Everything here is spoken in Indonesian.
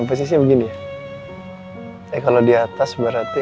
meskipun baju jahat itu